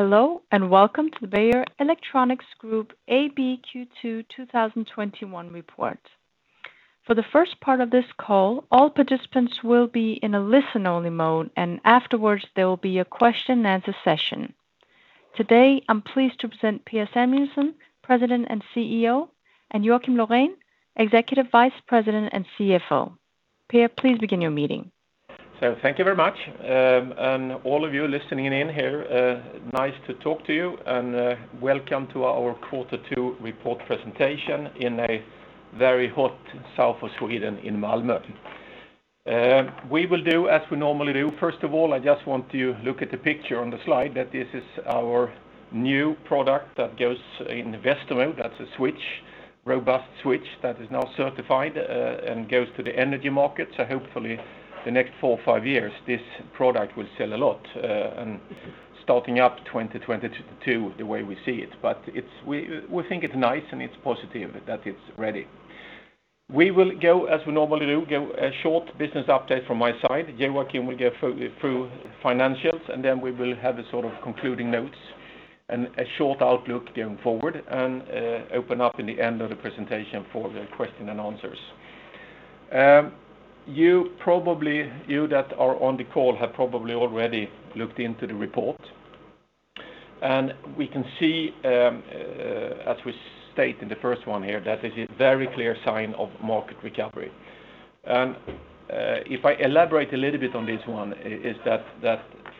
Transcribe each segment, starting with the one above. Hello, and welcome to Beijer Electronics Group AB Q2 2021 report. For the first part of this call, all participants will be in a listen-only mode, afterwards there will be a question and answer session. Today, I'm pleased to present Per Samuelsson, President and CEO, and Joakim Laurén, Executive Vice President and CFO. Per, please begin your meeting. Thank you very much. All of you listening in here, nice to talk to you, and welcome to our quarter two report presentation in a very hot south of Sweden in Malmö. We will do as we normally do. First of all, I just want to look at the picture on the slide that this is our new product that goes in Vestas. That's a switch, robust switch that is now certified and goes to the energy market. Hopefully the next four or five years, this product will sell a lot, and starting up 2022 the way we see it. We think it's nice, and it's positive that it's ready. We will go as we normally do, give a short business update from my side. Joakim will go through financials, and then we will have concluding notes and a short outlook going forward and open up in the end of the presentation for the question and answers. You that are on the call have probably already looked into the report, and we can see, as we state in the first one here, that it's a very clear sign of market recovery. If I elaborate a little bit on this one, is that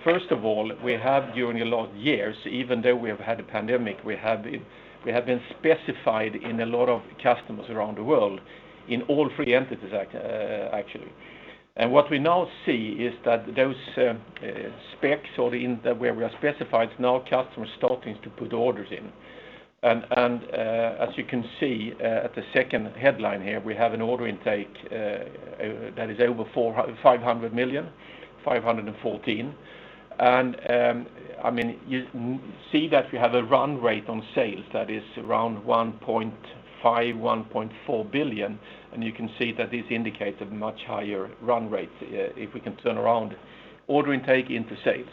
first of all, we have during a lot of years, even though we have had a pandemic, we have been specified in a lot of customers around the world, in all three entities actually. What we now see is that those specs or where we are specified, now customers starting to put orders in. As you can see, the second headline here, we have an order intake that is over 500 million, 514. You see that we have a run rate on sales that is around 1.5 billion, 1.4 billion, and you can see that this indicates a much higher run rate if we can turn around order intake into sales.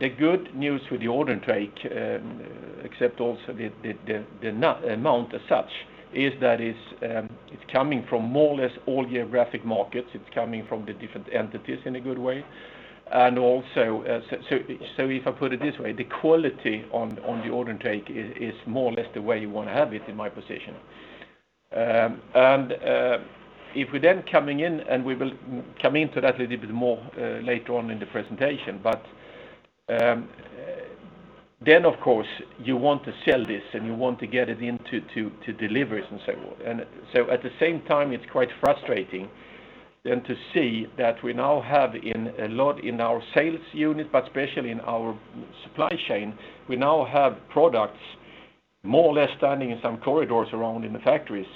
The good news with the order intake, except also the amount as such, is that it's coming from more or less all geographic markets. It's coming from the different entities in a good way. If I put it this way, the quality on the order intake is more or less the way you want to have it in my position. If we then coming in, and we will come into that a little bit more later on in the presentation, but then of course you want to sell this, and you want to get it into deliveries and so forth. At the same time it's quite frustrating then to see that we now have in a lot in our sales unit, but especially in our supply chain, we now have products more or less standing in some corridors around in the factories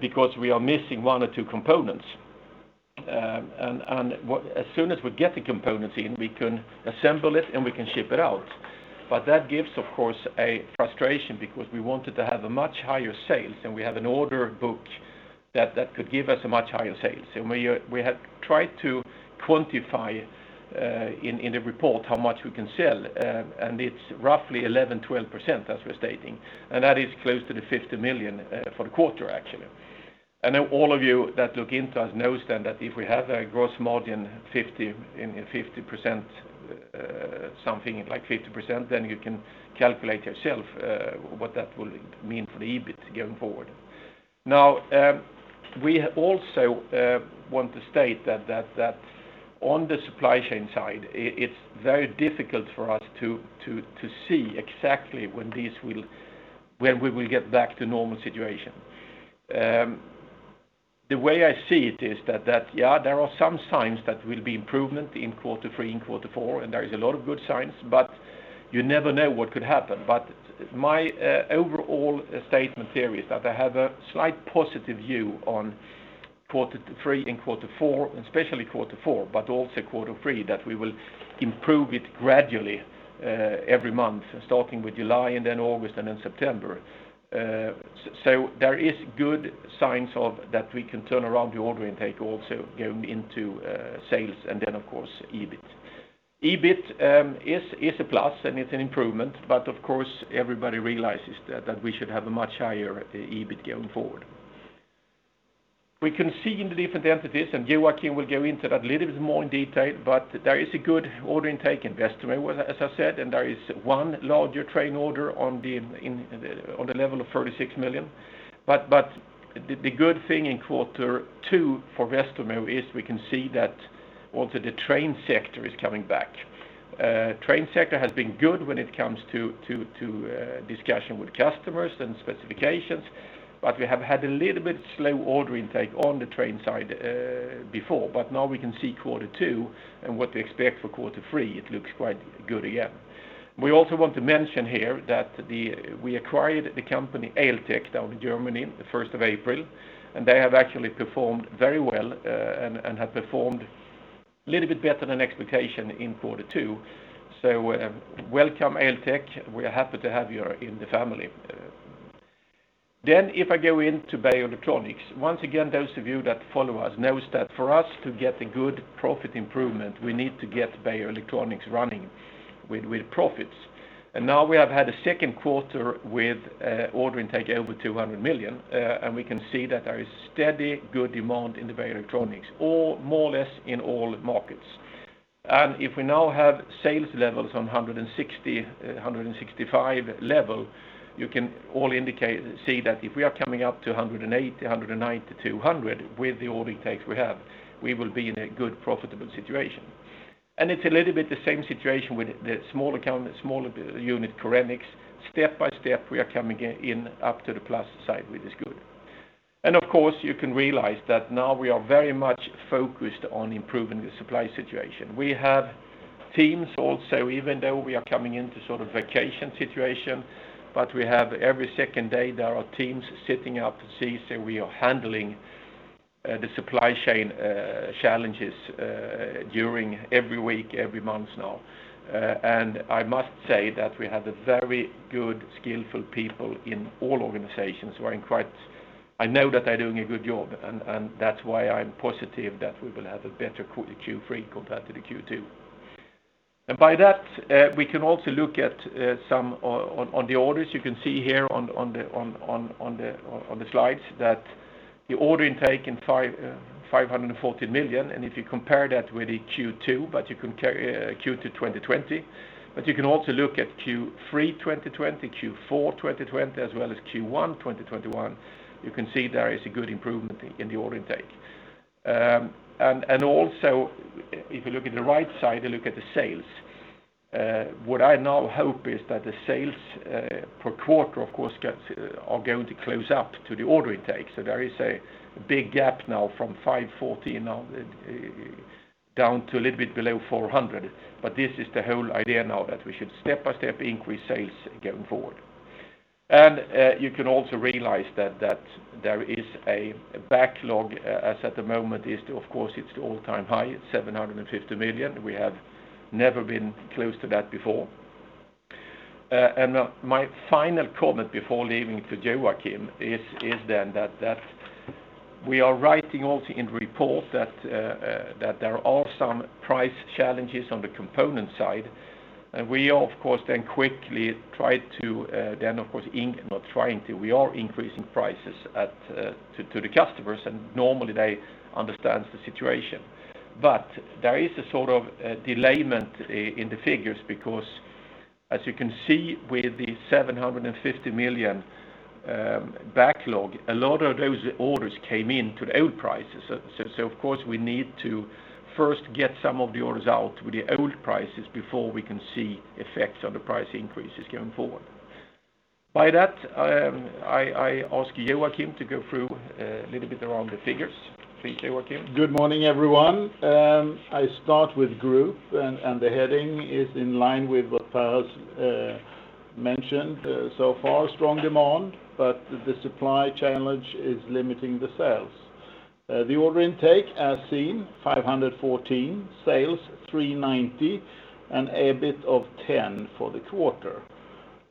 because we are missing one or two components. As soon as we get the components in, we can assemble it, and we can ship it out. That gives, of course, a frustration because we wanted to have a much higher sales, and we had an order book that could give us a much higher sales. We had tried to quantify in the report how much we can sell, and it's roughly 11%-12% as we're stating, and that is close to 50 million for the quarter actually. I know all of you that look into us knows then that if we have a gross margin 50%, something like 50%, then you can calculate yourself what that will mean for the EBIT going forward. We also want to state that on the supply chain side, it's very difficult for us to see exactly when we will get back to normal situation. The way I see it is that there are some signs that will be improvement in quarter three and quarter four, and there is a lot of good signs, but you never know what could happen. My overall statement here is that I have a slight positive view on quarter three and quarter four, especially quarter four, but also quarter three, that we will improve it gradually every month, starting with July and then August and then September. There is good signs of that we can turn around the order intake also going into sales, and then of course, EBIT. EBIT is a plus, and it's an improvement, but of course, everybody realizes that we should have a much higher EBIT going forward. We can see in the different entities, and Joakim will go into that a little bit more in detail, but there is a good order intake in Westermo, as I said, and there is one larger train order on the level of 36 million. The good thing in quarter two for Westermo is we can see that also the train sector is coming back. Train sector has been good when it comes to discussion with customers and specifications, but we have had a little bit slow order intake on the train side before. Now we can see quarter two and what to expect for quarter three, it looks quite good again. We also want to mention here that we acquired the company ELTEC down in Germany the 1st of April. They have actually performed very well and have performed a little bit better than expectation in quarter two. Welcome, ELTEC. We are happy to have you in the family. If I go into Beijer Electronics, once again, those of you that follow us knows that for us to get a good profit improvement, we need to get Beijer Electronics running with profits. Now we have had a second quarter with order intake over 200 million, and we can see that there is steady good demand in the Beijer Electronics, or more or less in all markets. If we now have sales levels on 160, 165 level, you can all see that if we are coming up to 180, 190, 200 with the order takes we have, we will be in a good profitable situation. It's a little bit the same situation with the smaller unit, Korenix. Step by step we are coming in up to the plus side, which is good. Of course you can realize that now we are very much focused on improving the supply situation. We have teams also, even though we are coming into sort of vacation situation, but we have every second day, there are teams sitting up to see so we are handling the supply chain challenges, during every week, every month now. I must say that we have a very good skillful people in all organizations who are I know that they're doing a good job and that's why I'm positive that we will have a better Q3 compared to the Q2. By that, we can also look at some on the orders. You can see here on the slides that the order intake is 514 million. If you compare that with the Q2 2020, you can also look at Q3 2020, Q4 2020, as well as Q1 2021. You can see there is a good improvement in the order intake. Also if you look at the right side, you look at the sales, what I now hope is that the sales per quarter, of course, are going to close up to the order intake. There is a big gap now from 514 million now down to a little bit below 400 million. This is the whole idea now that we should step by step increase sales going forward. You can also realize that there is a backlog as at the moment is to, of course, it is the all-time high. It is 750 million. We have never been close to that before. My final comment before leaving to Joakim is then that we are writing also in report that there are some price challenges on the component side. We, of course then quickly try to then, of course, we are increasing prices to the customers and normally they understand the situation. There is a sort of delayment in the figures because as you can see with the 750 million backlog, a lot of those orders came in to the old prices. Of course we need to first get some of the orders out with the old prices before we can see effects on the price increases going forward. By that, I ask Joakim to go through a little bit around the figures. Please, Joakim. Good morning everyone. I start with group and the heading is in line with what Per has mentioned so far. Strong demand, but the supply challenge is limiting the sales. The order intake as seen 514, sales 390, and EBIT of 10 for the quarter.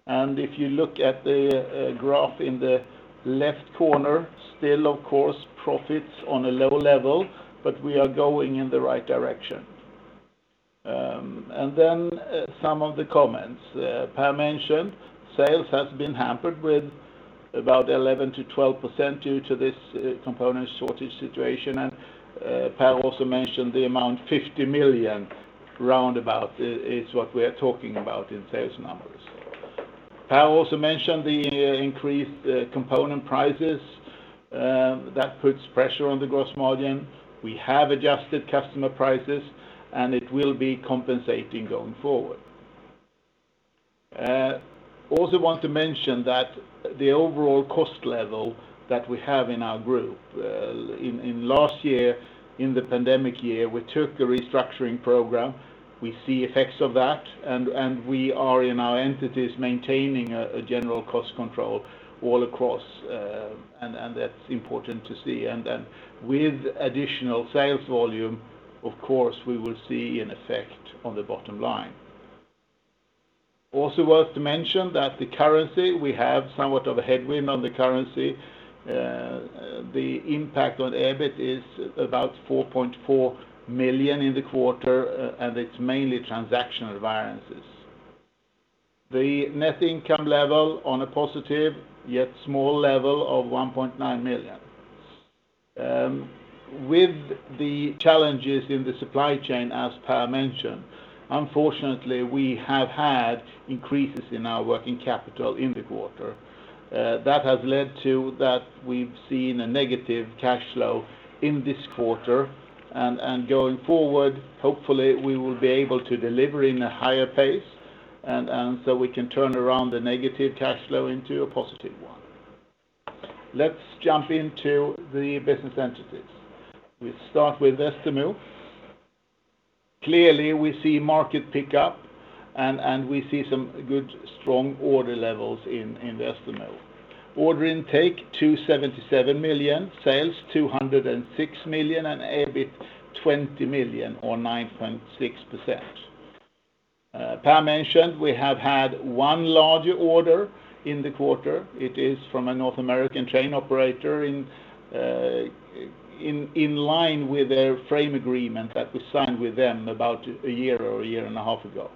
If you look at the graph in the left corner, still of course profits on a low level, but we are going in the right direction. Some of the comments. Per mentioned sales has been hampered with about 11%-12% due to this component shortage situation, and Per also mentioned the amount 50 million roundabout is what we are talking about in sales numbers. Per also mentioned the increased component prices, that puts pressure on the gross margin. We have adjusted customer prices, and it will be compensating going forward. Want to mention that the overall cost level that we have in our group, in last year, in the pandemic year, we took a restructuring program. We see effects of that. We are in our entities maintaining a general cost control all across. That's important to see. With additional sales volume, of course we will see an effect on the bottom line. Worth to mention that the currency, we have somewhat of a headwind on the currency. The impact on EBIT is about 4.4 million in the quarter, and it's mainly transactional variances. The net income level on a positive yet small level of 1.9 million. With the challenges in the supply chain as Per mentioned, unfortunately we have had increases in our working capital in the quarter. That has led to that we've seen a negative cash flow in this quarter, and going forward, hopefully we will be able to deliver in a higher pace, and so we can turn around the negative cash flow into a positive one. Let's jump into the business entities. We start with Westermo. Clearly we see market pick up and we see some good strong order levels in Westermo. Order intake 277 million, sales 206 million, and EBIT 20 million or 9.6%. Per Samuelsson mentioned we have had one larger order in the quarter. It is from a North American train operator in line with a frame agreement that we signed with them about a year or a year and a half ago.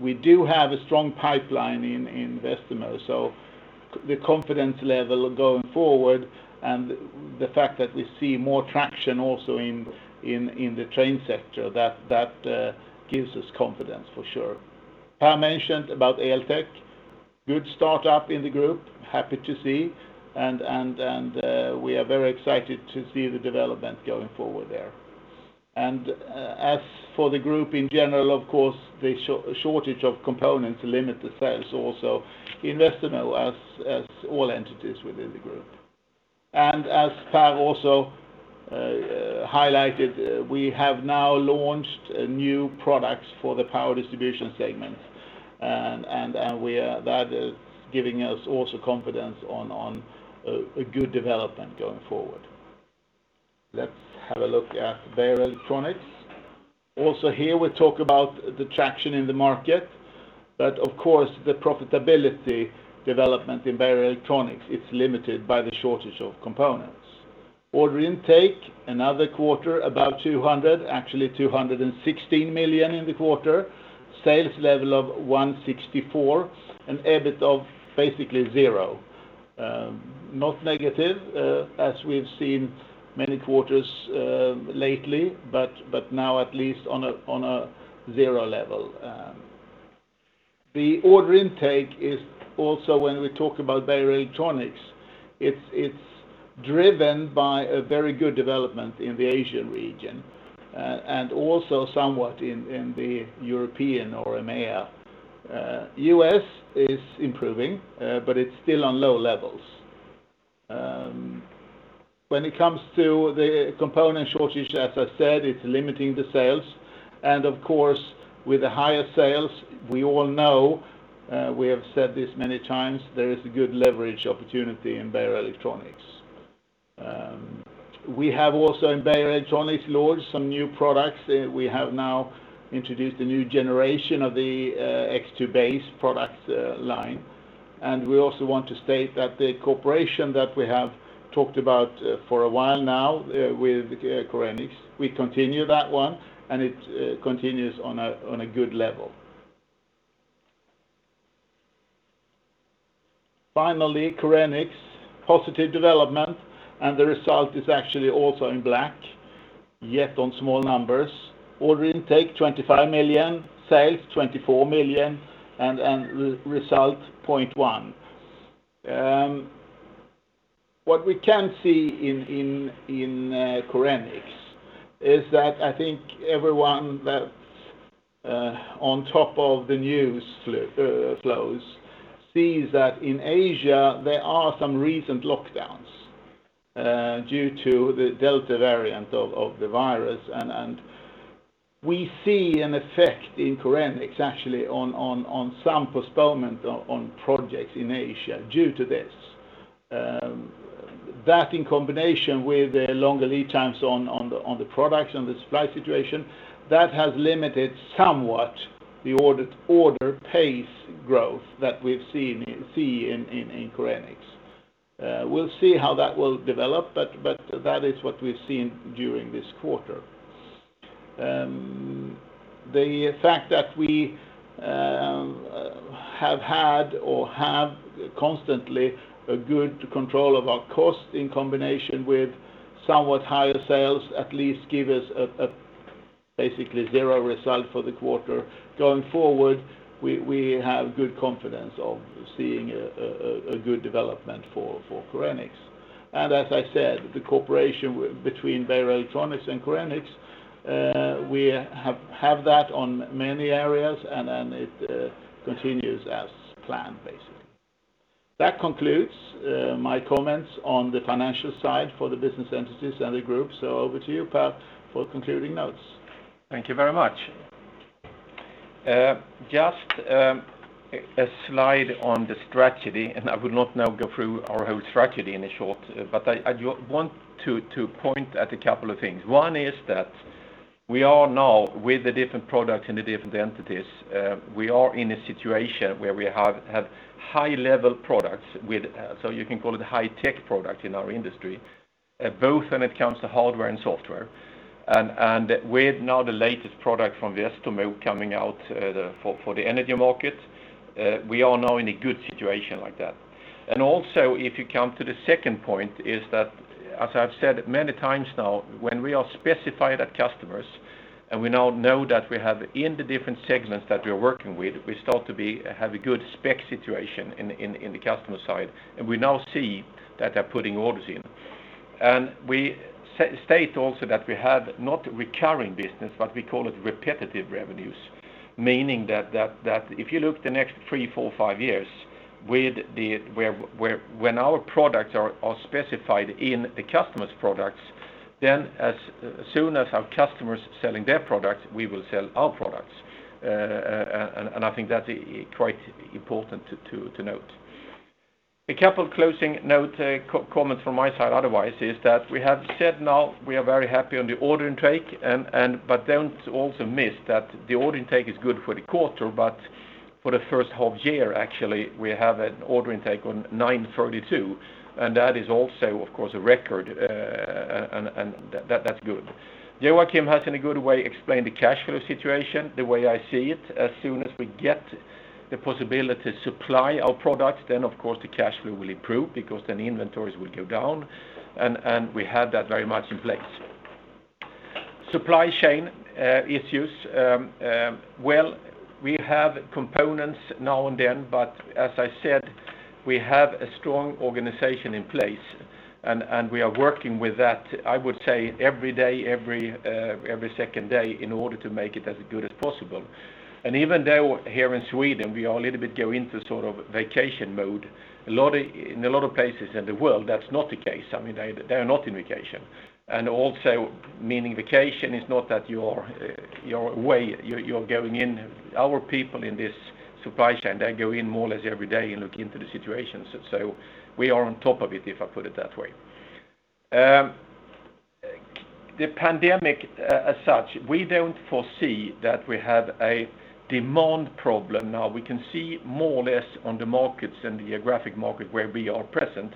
We do have a strong pipeline in Westermo, so the confidence level going forward and the fact that we see more traction also in the train sector, that gives us confidence for sure. Per mentioned about ELTEC. Good startup in the group, happy to see, and we are very excited to see the development going forward there. As for the group in general, of course, the shortage of components limit the sales also in Westermo as all entities within the group. As Per also highlighted, we have now launched new products for the Power Distribution segment, and that is giving us also confidence on a good development going forward. Let's have a look at Beijer Electronics. Also here we talk about the traction in the market, but of course, the profitability development in Beijer Electronics is limited by the shortage of components. Order intake, another quarter, about 200 million, actually 216 million in the quarter. Sales level of 164 million, EBIT of basically zero. Not negative, as we have seen many quarters lately, but now at least on a zero level. The order intake is also when we talk about Beijer Electronics. It's driven by a very good development in the Asian region and also somewhat in the European or EMEA. U.S. is improving, it's still on low levels. When it comes to the component shortage, as I said, it's limiting the sales. Of course, with the higher sales, we all know, we have said this many times, there is a good leverage opportunity in Beijer Electronics. We have also in Beijer Electronics launched some new products. We have now introduced a new generation of the X2 base product line. We also want to state that the cooperation that we have talked about for a while now with Korenix, we continue that one, and it continues on a good level. Finally, Korenix, positive development, and the result is actually also in black, yet on small numbers. Order intake, 25 million, sales, 24 million, and result, 0.1. What we can see in Korenix is that I think everyone that's on top of the news flows sees that in Asia, there are some recent lockdowns due to the Delta variant of the virus. We see an effect in Korenix actually on some postponement on projects in Asia due to this. That in combination with the longer lead times on the production, the supply situation, that has limited somewhat the order pace growth that we see in Korenix. We'll see how that will develop, but that is what we've seen during this quarter. The fact that we have had or have constantly a good control of our cost in combination with somewhat higher sales at least give us a basically zero result for the quarter. Going forward, we have good confidence of seeing a good development for Korenix. As I said, the cooperation between Beijer Electronics and Korenix, we have had that on many areas, and it continues as planned, basically. That concludes my comments on the financial side for the business entities and the group. Over to you, Per, for concluding notes. Thank you very much. Just a slide on the strategy, and I will not now go through our whole strategy in short, but I want to point at a couple of things. One is that we are now with the different products and the different entities, we are in a situation where we have high-level products, so you can call it high-tech product in our industry, both when it comes to hardware and software. With now the latest product from Westermo coming out for the energy market, we are now in a good situation like that. Also, if you come to the second point is that, as I've said many times now, when we are specified at customers, and we now know that we have in the different segments that we are working with, we start to have a good spec situation in the customer side, and we now see that they're putting orders in. We state also that we have not recurring business, but we call it repetitive revenues, meaning that if you look the next three, four, five years, when our products are specified in the customer's products, then as soon as our customers are selling their products, we will sell our products. I think that is quite important to note. A couple of closing comments from my side, otherwise, is that we have said now we are very happy on the order intake. Don't also miss that the order intake is good for the quarter. For the first half of the year, actually, we have an order intake on 932. That is also, of course, a record, and that's good. Joakim has, in a good way, explained the cash flow situation the way I see it. As soon as we get the possibility to supply our product, then, of course, the cash flow will improve because then inventories will go down. We have that very much in place. Supply chain issues. We have components now and then. As I said, we have a strong organization in place. We are working with that, I would say every day, every second day, in order to make it as good as possible. Even though here in Sweden, we are a little bit going into sort of vacation mode. In a lot of places in the world, that's not the case. They're not on vacation. Also, meaning vacation is not that you're away. Our people in this supply chain, they go in more or less every day and look into the situations. We are on top of it, if I put it that way. The pandemic, as such, we don't foresee that we have a demand problem now. We can see more or less on the markets and geographic market where we are present,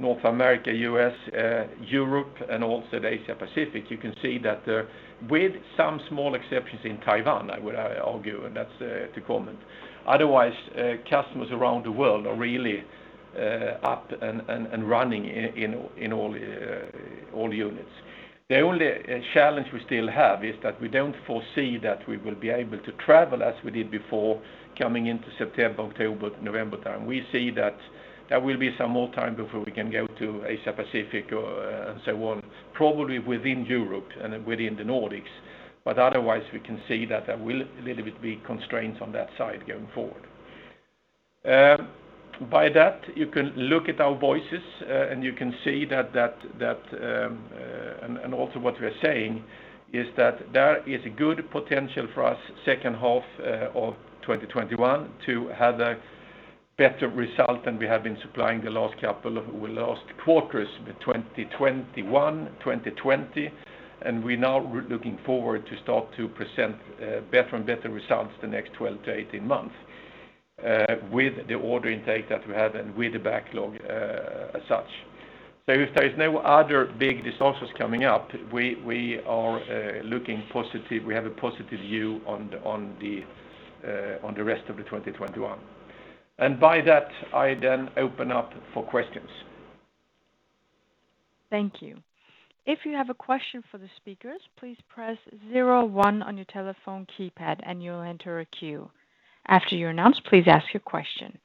North America, U.S., Europe, and also Asia Pacific. You can see that with some small exceptions in Taiwan, I would argue, and that's the comment. Otherwise, customers around the world are really up and running in all the units. The only challenge we still have is that we don't foresee that we will be able to travel as we did before coming into September, October, November time. We see that there will be some more time before we can go to Asia Pacific and so on, probably within Europe and within the Nordics. Otherwise, we can see that there will be constraints on that side going forward. By that, you can look at our voices, and you can see that. Also what we are saying is that there is a good potential for us second half of 2021 to have a better result than we have been supplying the last quarters of 2021, 2020. We now looking forward to start to present better and better results the next 12-18 months with the order intake that we had and with the backlog as such. If there's no other big disasters coming up, we have a positive view on the rest of the 2021. By that, I then open up for questions. Thank you. If you have a question for the speakers, please press zero one on your telephone keypad and you'll enter a queue. After you're announced, please ask your question.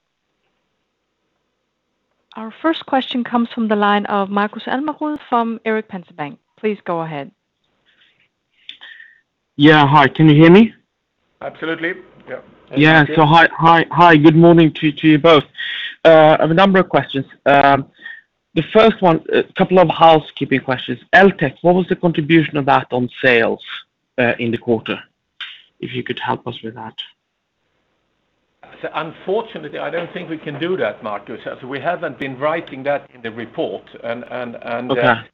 Our first question comes from the line of Markus Almerud from Erik Penser Bank. Please go ahead. Yeah. Hi, can you hear me? Absolutely. Yeah. Yeah. Hi. Good morning to you both. A number of questions. The first one, a couple of housekeeping questions. ELTEC, what was the contribution of that on sales in the quarter? If you could help us with that. Unfortunately, I don't think we can do that, Markus. We haven't been writing that in the report. Okay.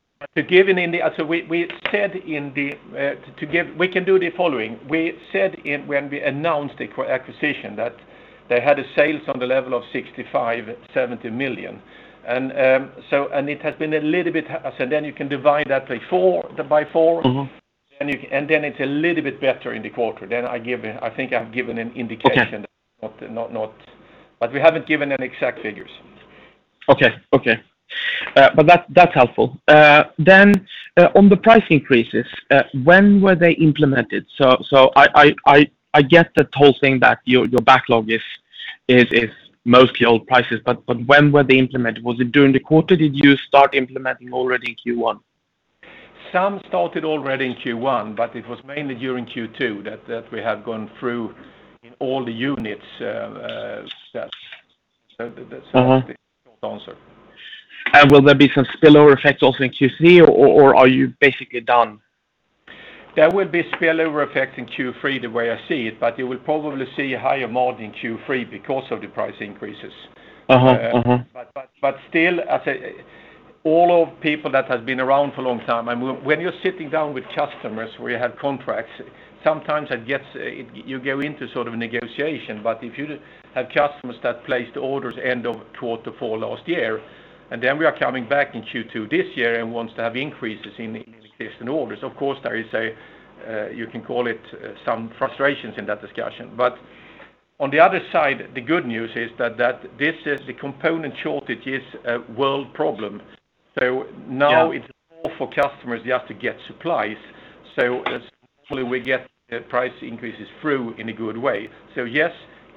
We can do the following. We said it when we announced it for acquisition, that they had a sales on the level of 65 million-70 million. You can divide that by four. It's a little bit better in the quarter. I think I've given an indication. Okay. We haven't given any exact figures. Okay. That's helpful. On the price increases, when were they implemented? I get that whole thing that your backlog is mostly old prices, when were they implemented? Was it during the quarter? Did you start implementing already in Q1? Some started already in Q1, but it was mainly during Q2 that we have gone through in all the units. That's the short answer. Will there be some spillover effect also in Q3, or are you basically done? There will be spillover effect in Q3 the way I see it, but you will probably see higher margin in Q3 because of the price increases. Still, all of people that have been around for a long time, and when you're sitting down with customers where you have contracts, sometimes you go into sort of negotiation. If you have customers that placed orders end of quarter four last year, and then we are coming back in Q2 this year and want to have increases in existing orders, of course, you can call it some frustrations in that discussion. On the other side, the good news is that the component shortage is a world problem. Now it's more for customers, they have to get supplies. Hopefully we get the price increases through in a good way. Yes,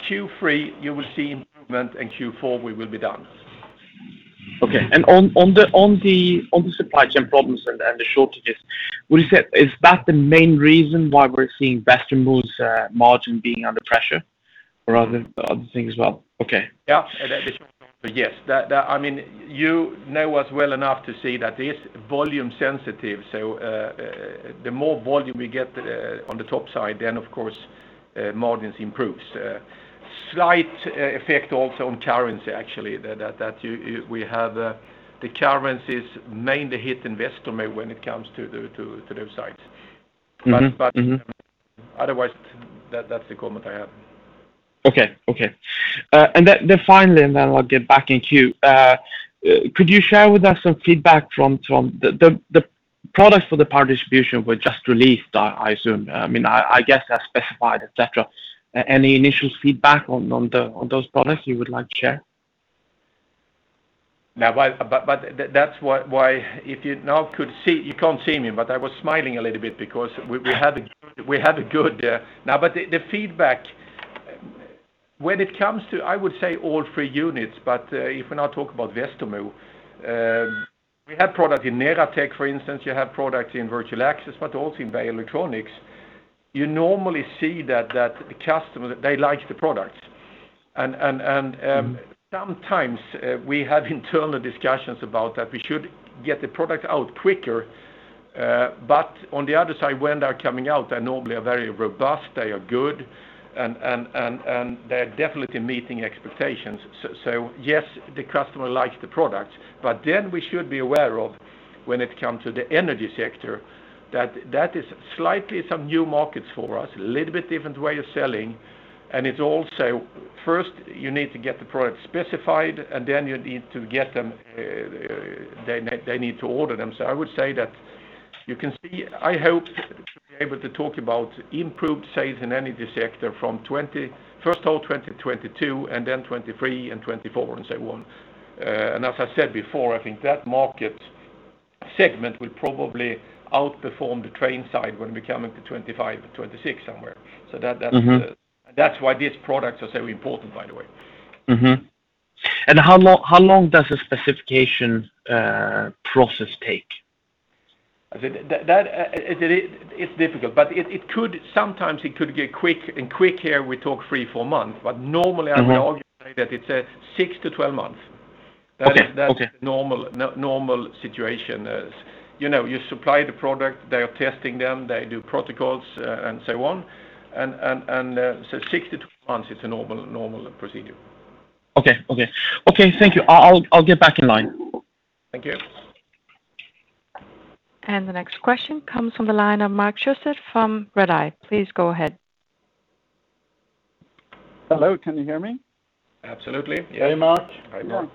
Q3 you will see improvement, and Q4 we will be done. Okay. On the supply chain problems and the shortages, is that the main reason why we're seeing Westermo's margin being under pressure? Are there other things as well? Okay. Yeah. That is correct. Yes. You know us well enough to say that it is volume sensitive, so the more volume we get on the top side, then of course margins improves. Slight effect also on currency actually, that we have the currencies mainly hit investment when it comes to those sites. Otherwise, that's the comment I have. Okay. Finally, and then I'll get back in queue. Could you share with us some feedback from the products for the Power Distribution were just released, I assume, I guess as specified, et cetera. Any initial feedback on those products you would like to share? If you now could see, you can't see me, but I was smiling a little bit. No, but the feedback when it comes to, I would say all three units, but if we now talk about Westermo, we have product in Neratec, for instance, you have products in Virtual Access, but also in Beijer Electronics. You normally see that the customer, they like the products. Sometimes, we have internal discussions about that. We should get the product out quicker. On the other side, when they're coming out, they normally are very robust, they are good and they're definitely meeting expectations. Yes, the customer likes the product. Then we should be aware of when it comes to the energy sector, that is slightly some new markets for us, little bit different way of selling. It's also first you need to get the product specified, and then they need to order them. I would say that you can see, I hope to be able to talk about improved sales in energy sector from first of all 2022 and then 2023 and 2024 and so on. As I said before, I think that market segment will probably outperform the train side when we come into 2025, 2026 somewhere. That's why these products are so important, by the way. Mm-hmm. How long does a specification process take? It's difficult, but sometimes it could get quick, and quick here we talk three, four months, but normally. I would argue that it's a six to 12 months. Okay. That's normal situation. You supply the product, they are testing them, they do protocols, and so on. Six-12 months is a normal procedure. Okay. Thank you. I'll get back in line. Thank you. The next question comes from the line of Mark Siöstedt from Redeye. Please go ahead. Hello, can you hear me? Absolutely. Yes. Hey, Mark. Hi, Mark.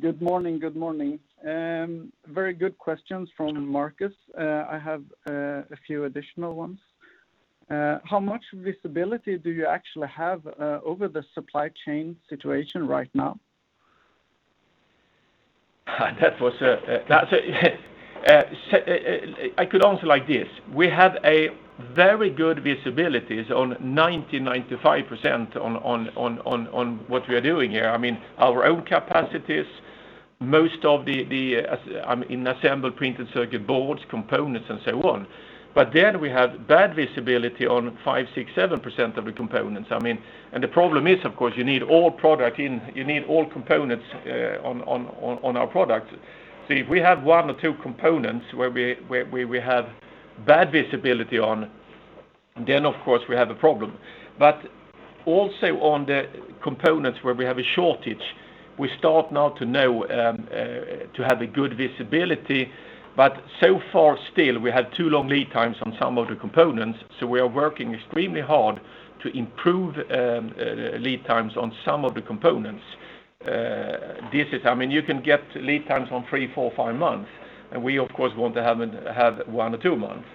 Good morning. Very good questions from Markus. I have a few additional ones. How much visibility do you actually have over the supply chain situation right now? I could answer like this, we have a very good visibility on 90%-95% on what we are doing here. Our own capacities, most of the assembled printed circuit boards, components, and so on. We have bad visibility on 5%-7% of the components. The problem is, of course, you need all components on our product. See, if we have one or two components where we have bad visibility on, of course we have a problem. Also on the components where we have a shortage, we start now to have a good visibility. So far, still, we have too long lead times on some of the components, we are working extremely hard to improve lead times on some of the components. You can get lead times on three-five months, we of course want to have one or two months.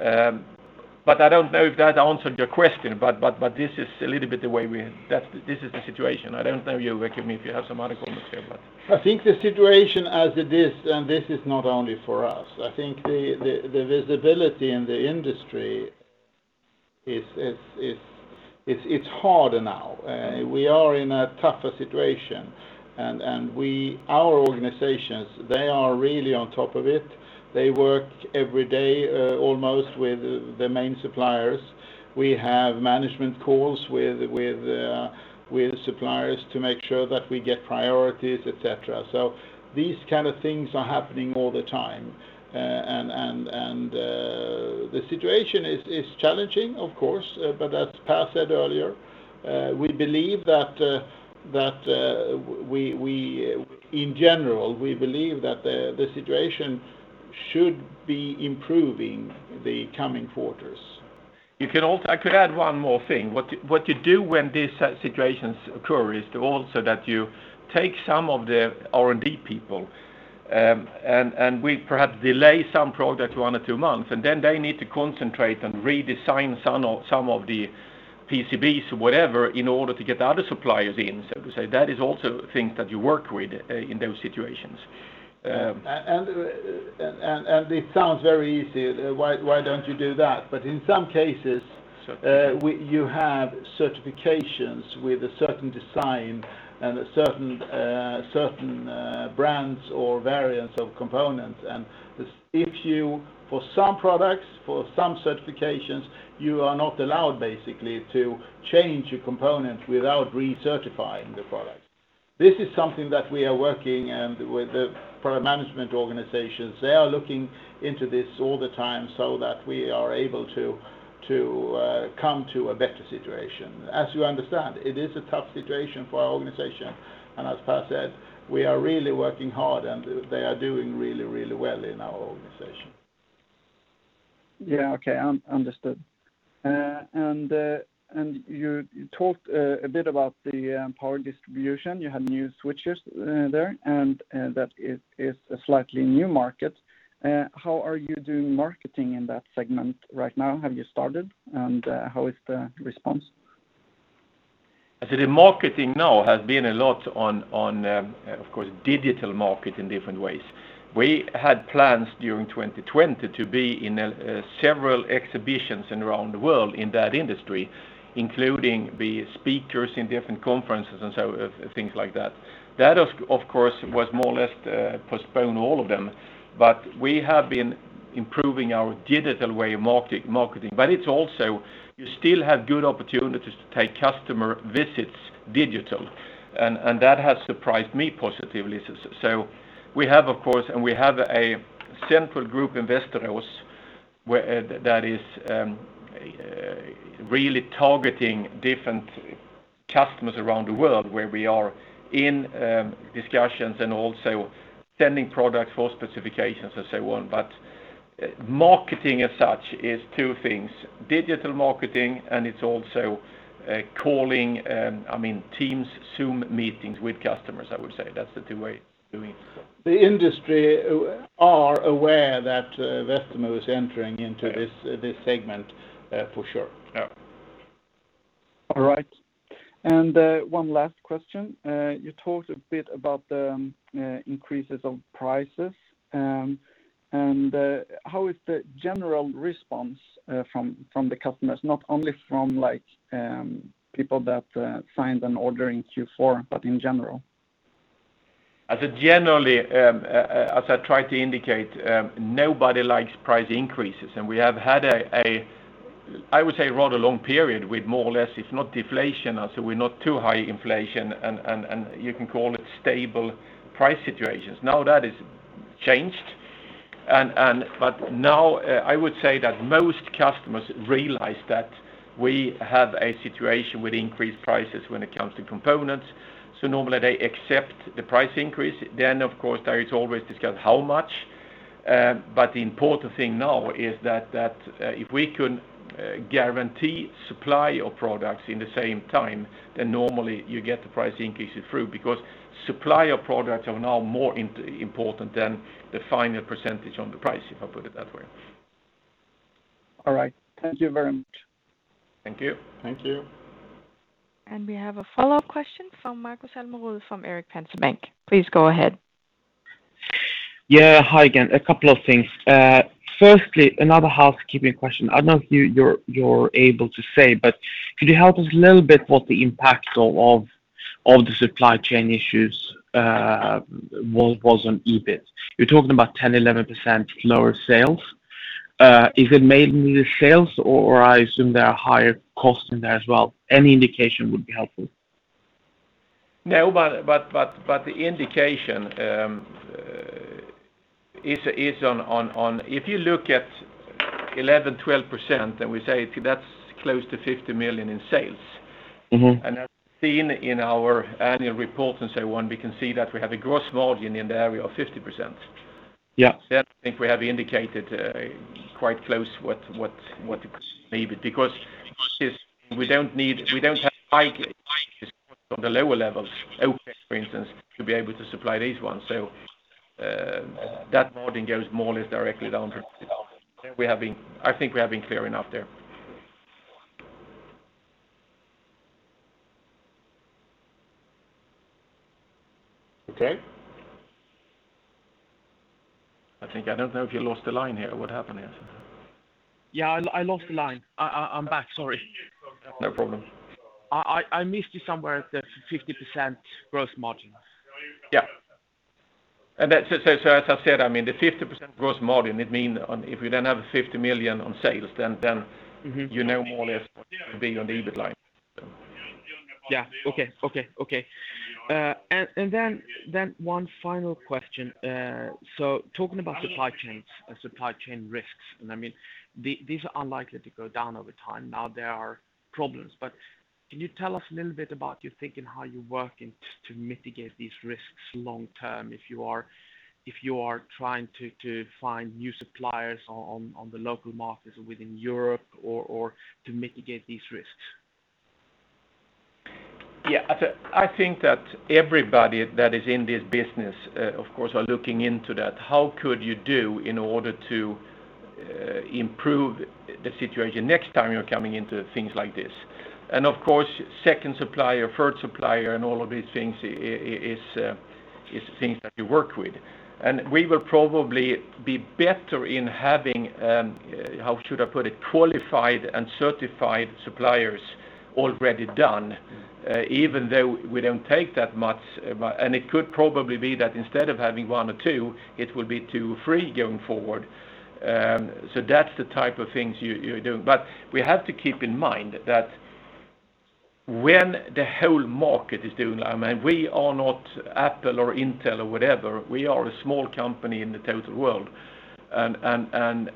I don't know if that answered your question, but this is the situation. I don't know, Joakim, if you have some other comments here. I think the situation as it is, and this is not only for us, I think the visibility in the industry it's harder now. We are in a tougher situation, and our organizations, they are really on top of it. They work every day, almost with the main suppliers. We have management calls with suppliers to make sure that we get priorities, et cetera. These kind of things are happening all the time. The situation is challenging, of course. As Per said earlier, in general, we believe that the situation should be improving the coming quarters. I could add one more thing. What you do when these situations occur is to also that you take some of the R&D people, and we perhaps delay some project one or two months, and then they need to concentrate and redesign some of the PCBs, whatever, in order to get the other suppliers in, so to say. That is also things that you work with in those situations. It sounds very easy, why don't you do that? In some cases. Certifications You have certifications with a certain design and certain brands or variants of components. If you, for some products, for some certifications, you are not allowed, basically, to change a component without recertifying the product. This is something that we are working with the product management organizations. They are looking into this all the time so that we are able to come to a better situation. As you understand, it is a tough situation for our organization, and as Per said, we are really working hard and they are doing really well in our organization. Yeah, okay. Understood. You talked a bit about the Power Distribution. You have new switches there, and that it is a slightly new market. How are you doing marketing in that segment right now? Have you started, and how is the response? The marketing now has been a lot on, of course, digital market in different ways. We had plans during 2020 to be in several exhibitions around the world in that industry, including the speakers in different conferences and things like that. That, of course, was more or less postponed, all of them. We have been improving our digital way of marketing. It's also, you still have good opportunities to take customer visits digital, and that has surprised me positively. We have, of course, a central group in Västerås that is really targeting different customers around the world, where we are in discussions and also sending product for specifications and so on. Marketing as such is two things, digital marketing, and it's also calling, Teams, Zoom meetings with customers, I would say that's the way doing it. The industry are aware that Västerås entering into this segment, for sure. Yeah. All right. One last question. You talked a bit about the increases of prices, and how is the general response from the customers, not only from people that signed an order in Q4, but in general? Generally, as I try to indicate, nobody likes price increases, and we have had a, I would say, rather long period with more or less, it's not deflation, so we're not too high inflation, and you can call it stable price situations. Now that has changed. Now I would say that most customers realize that we have a situation with increased prices when it comes to components, so normally they accept the price increase. Of course, there is always discussion how much. The important thing now is that if we can guarantee supply of products in the same time, then normally you get the price increases through, because supply of products are now more important than the final % on the price, if I put it that way. All right. Thank you very much. Thank you. We have a follow-up question from Markus Almerud from Erik Penser Bank. Please go ahead. Yeah. Hi again, a couple of things. Firstly, another housekeeping question. I don't know if you're able to say, but could you help us a little bit what the impacts of all the supply chain issues was on EBIT? You're talking about 10%, 11% lower sales. Is it mainly sales, or I assume there are higher costs in there as well. Any indication would be helpful. No, the indication is on, if you look at 11, 12%, then we say that's close to 50 million in sales. As we've seen in our annual report and so on, we can see that we have a gross margin in the area of 50%. Yeah. I think we have indicated quite close what it needed, because we don't have from the lower levels, for instance, to be able to supply these ones. That margin goes more or less directly down to the bottom line. I think we have been clear enough there. Okay. I think, I don't know if you lost the line here. What happened here? Yeah, I lost the line. I'm back, sorry. No problem. I missed you somewhere at the 50% gross margin. Yeah. As I said, the 50% gross margin, it mean if we then have 50 million on sales, you know more or less what it'll be on EBIT line. Yeah. Okay. One final question. Talking about supply chain risks, and these are unlikely to go down over time. Now there are problems. Can you tell us a little bit about your thinking, how you're working to mitigate these risks long term, if you are trying to find new suppliers on the local markets within Europe or to mitigate these risks? I think that everybody that is in this business, of course, are looking into that. How could you do in order to improve the situation next time you're coming into things like this? Of course, second supplier, third supplier, and all of these things is things that we work with. We will probably be better in having, how should I put it, qualified and certified suppliers already done, even though we don't take that much. It could probably be that instead of having one or two, it will be two or three going forward. That's the type of things you do. We have to keep in mind that. When the whole market is doing that, we are not Apple or Intel or whatever. We are a small company in the total world. When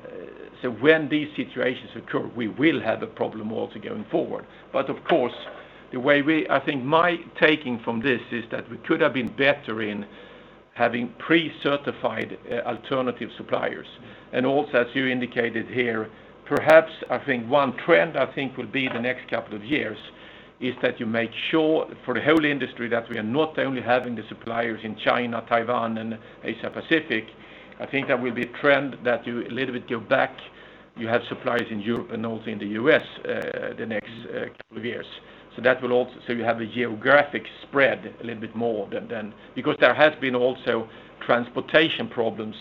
these situations occur, we will have a problem also going forward. I think my taking from this is that we could have been better in having pre-certified alternative suppliers. As you indicated here, perhaps 1 trend I think will be in the next couple of years is that you make sure for the whole industry that we are not only having the suppliers in China, Taiwan, and Asia Pacific. I think that will be a trend that you a little bit go back, you have suppliers in Europe and also in the U.S. the next couple of years. You have a geographic spread a little bit more then, because there has been also transportation problems,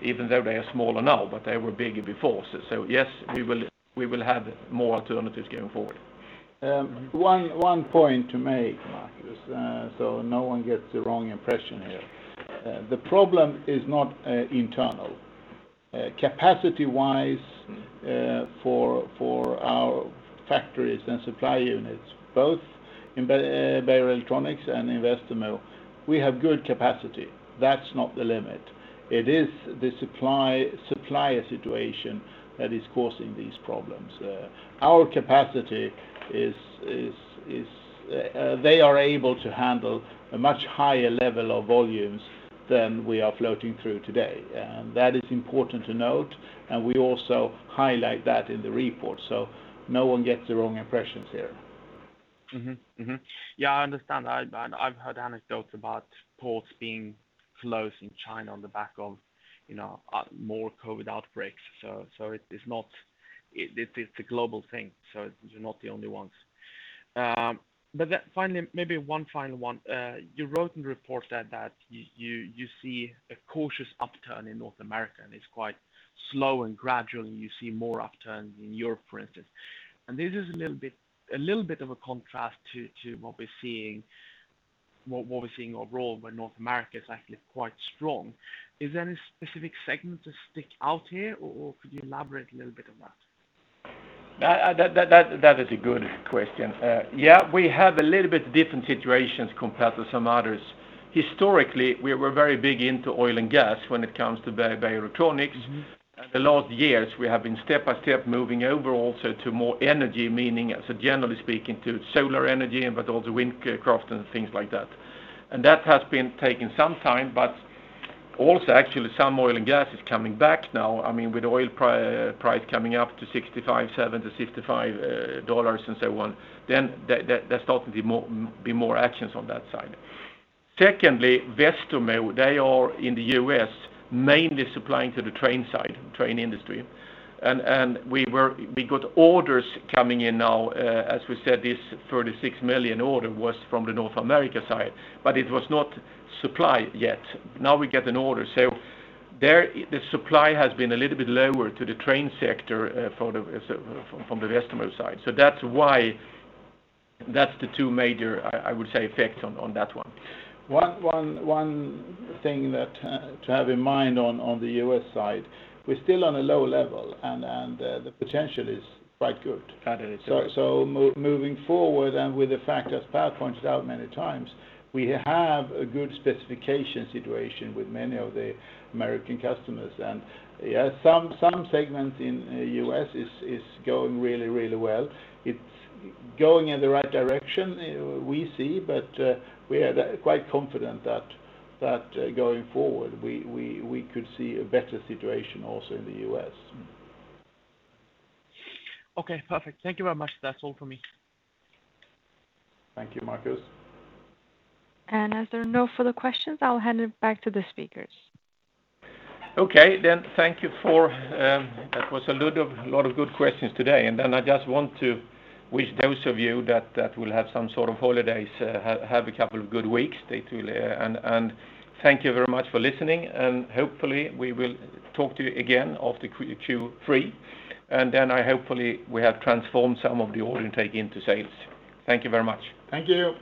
even though they are small now, but they were bigger before. Yes, we will have more alternatives going forward. One point to make, Markus, so no one gets the wrong impression here. The problem is not internal. Capacity-wise, for our factories and supply units, both in Beijer Electronics and in Westermo, we have good capacity. That's not the limit. It is the supplier situation that is causing these problems. Our capacity, they are able to handle a much higher level of volumes than we are floating through today. That is important to note, and we also highlight that in the report, so no one gets the wrong impressions here. Yeah, I understand. I've heard anecdotes about ports being closed in China on the back of more COVID outbreaks. It's a global thing, so we're not the only ones. Maybe one final one. You wrote in the report that you see a cautious upturn in North America, and it's quite slow and gradual, and you see more upturns in Europe, for instance. This is a little bit of a contrast to what we're seeing overall, where North America is actually quite strong. Is there any specific segment that sticks out here, or could you elaborate a little bit on that? That is a good question. Yeah, we have a little bit different situations compared to some others. Historically, we were very big into oil and gas when it comes to Beijer Electronics. The last years, we have been step by step moving over also to more energy, meaning, generally speaking, to solar energy, but also wind and craft and things like that. That has been taking some time, but also actually some oil and gas is coming back now. With oil price coming up to $65, $70, $65 and so on, then there's starting to be more actions on that side. Secondly, Westermo, they are in the U.S. mainly supplying to the train side, train industry. We got orders coming in now. As we said, this 36 million order was from the North America side, but it was not supplied yet. Now we get an order. The supply has been a little bit lower to the train sector from the Westermo side. That's the two major, I would say, effects on that one. One thing to have in mind on the U.S. side, we're still on a low level, and the potential is quite good. That is true. Moving forward, and with the fact that Per pointed out many times, we have a good specification situation with many of the U.S. customers. Yeah, some segment in the U.S. is going really well. It's going in the right direction, we see, but we are quite confident that going forward, we could see a better situation also in the U.S. Okay, perfect. Thank you very much. That's all for me. Thank you, Markus. As there are no further questions, I'll hand it back to the speakers. Okay, thank you. That was a lot of good questions today. I just want to wish those of you that will have some sort of holidays, have a couple of good weeks. Stay tuned. Thank you very much for listening, and hopefully we will talk to you again after Q3. Hopefully we have transformed some of the order intake into sales. Thank you very much. Thank you.